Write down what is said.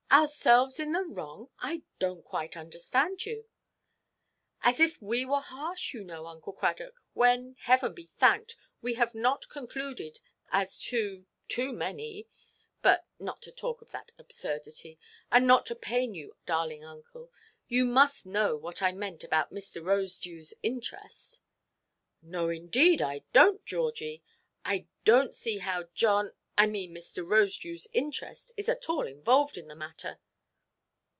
Ourselves in the wrong! I donʼt quite understand you." "As if we were harsh, you know, Uncle Cradock; when, Heaven be thanked, we have not concluded, as too, too many—— But, not to talk of that absurdity, and not to pain you, darling uncle, you must know what I meant about Mr. Rosedewʼs interest." "No, indeed, I donʼt, Georgie. I donʼt see how John—I mean Mr. Rosedewʼs interest is at all involved in the matter."